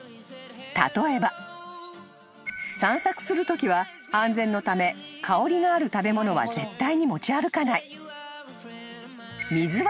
［例えば］［散策するときは安全のため香りがある食べ物は絶対に持ち歩かない］